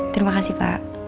terima kasih pak